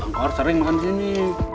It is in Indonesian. bang kohar sering makan di sini